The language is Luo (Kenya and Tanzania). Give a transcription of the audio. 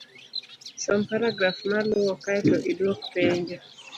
Som paragraf maluwo, kae to idwok penjo